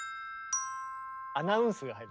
アナウンスが入る。